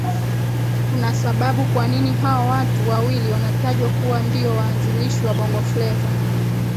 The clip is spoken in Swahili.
Kuna sababu kwanini hao watu wawili wanatajwa kuwa ndiyo waanzilishi wa Bongofleva